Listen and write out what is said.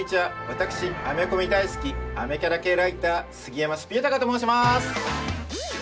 私アメコミ大好きアメキャラ系ライター杉山すぴ豊と申します！